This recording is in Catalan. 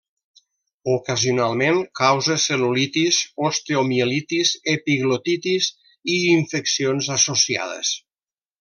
Ocasionalment causa cel·lulitis, osteomielitis, epiglotitis i infeccions associades.